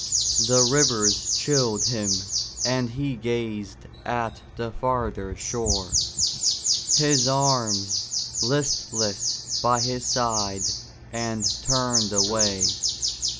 The rivers chilled him and he gazed at the farther shore, his arms listless by his side, and turned away.